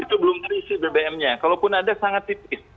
itu belum terisi bbm nya kalaupun ada sangat tipis